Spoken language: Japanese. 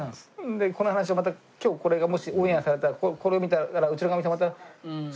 でこの話をまた今日これがもしオンエアされたらこれを見たうちのかみさんはまた。